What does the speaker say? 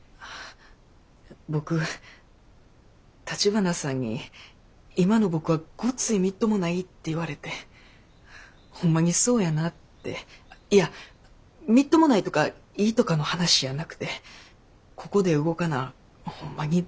僕橘さんに今の僕はごっついみっともないって言われてホンマにそうやなって。いやみっともないとかいいとかの話やなくてここで動かなホンマに僕は。